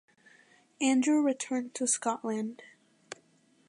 Andrew returned to Scotland.